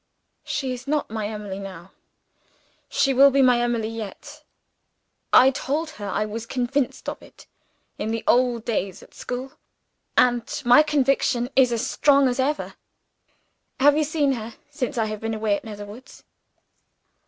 "She is not my Emily now. She will be my Emily yet. I told her I was convinced of it, in the old days at school and my conviction is as strong as ever. Have you seen her, since I have been away at Netherwoods?"